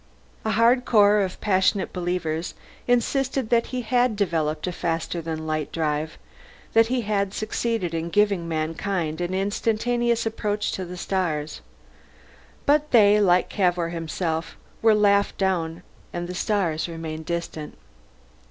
A hard core of passionate believers insisted that he had developed a faster than light drive, that he had succeeded in giving mankind an instantaneous approach to the stars. But they, like Cavour himself, were laughed down, and the stars remained distant.